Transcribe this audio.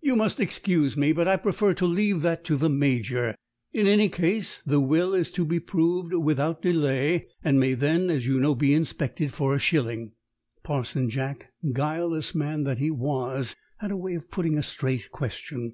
"You must excuse me, but I prefer to leave that to the Major. In any case, the will is to be proved without delay, and may then, as you know, be inspected for a shilling." Parson Jack, guileless man that he was, had a way of putting a straight question.